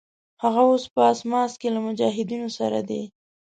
هغه اوس په اسماس کې له مجاهدینو سره دی.